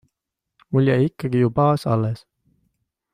Mul jäi ikkagi ju baas alles.